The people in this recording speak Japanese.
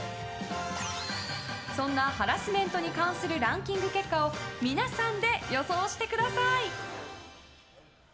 そんなハラスメントに関するランキング結果を皆さんで予想してください。